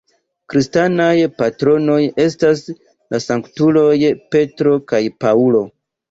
Kristanaj patronoj estas la sanktuloj Petro kaj Paŭlo.